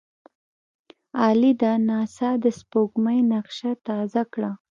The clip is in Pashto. عالي ده! ناسا د سپوږمۍ نقشه تازه کړه.